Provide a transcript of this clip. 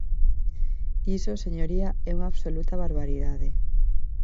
Iso, señoría, é unha absoluta barbaridade.